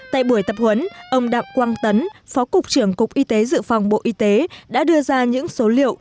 tại buổi tập huấn ông đặng quang tấn phó cục trưởng cục y tế dự phòng bộ y tế đã đưa ra những số liệu